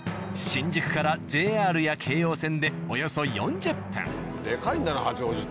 新宿からＪＲや京王線でおよそ４０分。